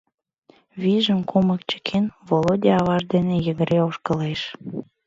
Вуйжым кумык чыкен, Володя аваж дене йыгыре ошкылеш.